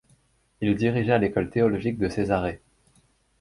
Il dirigea l'École théologique de Césarée.